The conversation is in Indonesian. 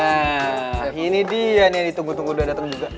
nah ini dia nih yang ditunggu tunggu udah datang juga